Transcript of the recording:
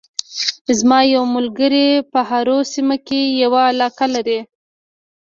زما یو ملګری په هارو سیمه کې یوه علاقه لري